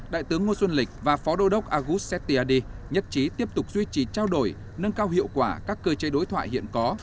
đại tướng ngô xuân lịch và phó đô đốc agus setiadi nhất trí tiếp tục duy trì trao đổi nâng cao hiệu quả các cơ chế đối thoại hiện có